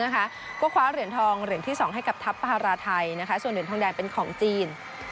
ก็คว้าเหรียญทองเหรียญที่๒ให้กับทัพภาราไทยส่วนเหรียญทองแดงเป็นของจีน